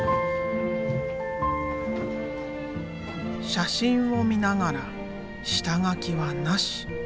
写真を見ながら下書きはなし。